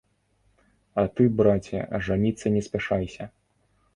А ты, браце, жаніцца не спяшайся.